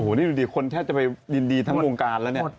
โอ้โฮนี่ดูสิคนแททย์จะไปยินดีทั้งรวงการแล้ว